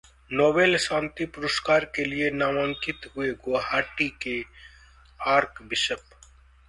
Nobel शांति पुरस्कार के लिये नामांकित हुए गुवाहाटी के आर्कबिशप